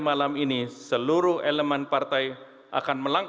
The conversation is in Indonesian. kami berharap bahwa kekuatan politik ini akan menjadi kekuatan yang matang